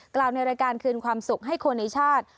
กล่าวในรายการคืนความสุขให้คนในชาติ